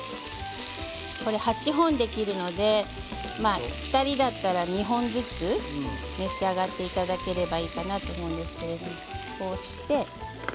８本できるので２人だったら２本ずつ召し上がっていただければいいかなと思うんですけれど。